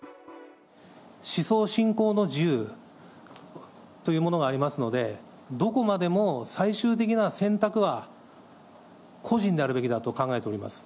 思想・信仰の自由というものがありますので、どこまでも最終的な選択は個人であるべきだと考えております。